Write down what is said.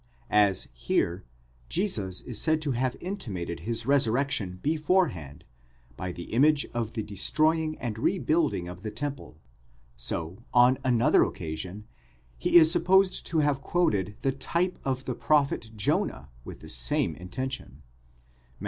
As, here, Jesus is said to have intimated his resurrection beforehand, by the image of the destroying and rebuilding of the temple, so, on another occasion, he is supposed to have quoted the type of the prophet Jonah with the same intention (Matt.